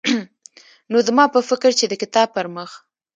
نو زما په فکر چې د کتاب پرمخ